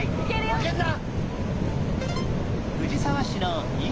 負けんな！